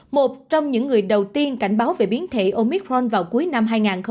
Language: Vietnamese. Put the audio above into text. một trong những người đầu tiên cảnh báo về biến thể omicron vào cuối năm hai nghìn hai mươi